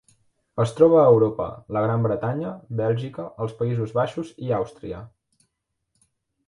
Es troba a Europa: la Gran Bretanya, Bèlgica, els Països Baixos i Àustria.